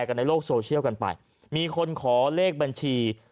กันในโลกโซเชียลกันไปมีคนขอเลขบัญชี